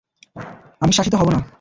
আমি শাসিত হব না।